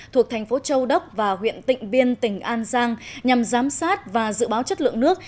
thuộc thành phố châu đốc và huyện tịnh biên tỉnh an giang nhằm giám sát và dự báo chất lượng nước